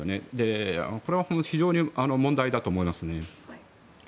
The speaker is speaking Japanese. これは非常に問題だと思いますね。